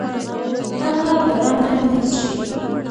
هغه به رانه مېس شي.